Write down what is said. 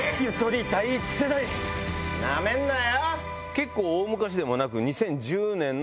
結構大昔でもなく。